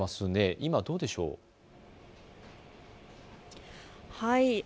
今、どうでしょうか。